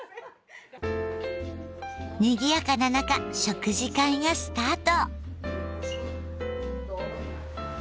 にぎやかな中食事会がスタート。